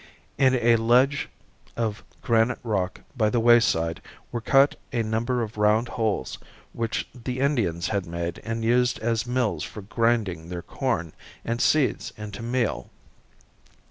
In a ledge of granite rock by the wayside were cut a number of round holes which the Indians had made and used as mills for grinding their corn and seeds into meal.